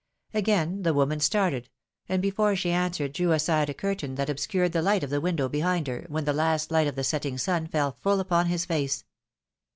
Again the woman started, and before she answered drew aside a curtain that obscured the hght of the window behind her, when the last light of the setting sun fell fuU upon his face.